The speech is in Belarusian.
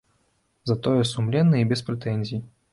Затое сумленны і без прэтэнзій.